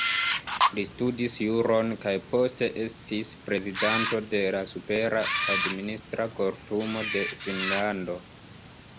Li studis juron kaj poste estis prezidanto de la Supera Administra Kortumo de Finnlando.